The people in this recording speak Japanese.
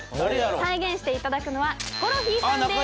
再現していただくのはヒコロヒーさんです。